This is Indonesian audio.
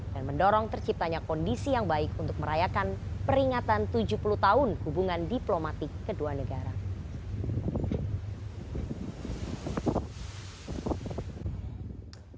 dan mendorong terciptanya kondisi yang baik untuk merayakan peringatan tujuh puluh tahun hubungan negara dan stabilitas regional dan mendorong terciptanya kondisi yang baik untuk merayakan peringatan tujuh puluh tahun hubungan negara dan stabilitas regional